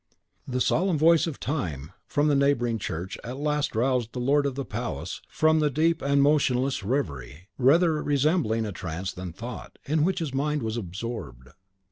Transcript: The solemn voice of Time, from the neighbouring church at last aroused the lord of the palace from the deep and motionless reverie, rather resembling a trance than thought, in which his mind was absorbed.